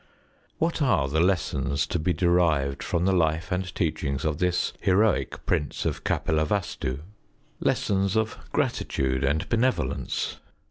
What are the lessons to be derived from the life and teachings of this heroic prince of Kapilavast╠Żu? Lessons of gratitude and benevolence.